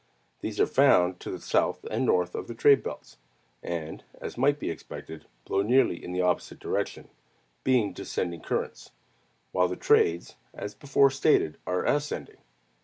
These are found to the south and north of the trade belts, and, as might be expected, blow nearly in the opposite direction, being descending currents; while the trades, as before stated, are ascending.